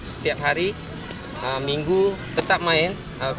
setiap hari minggu tetap main